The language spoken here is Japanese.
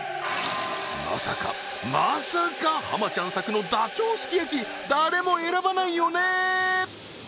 まさかまさか浜ちゃん作のダチョウすき焼き誰も選ばないよね？